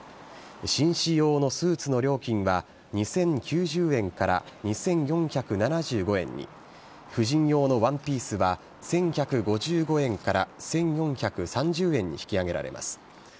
紳士用のスーツの料金は２０９０円から２４７５円に婦人用のワンピースは１１５５円から１４３０円に引き上げられます。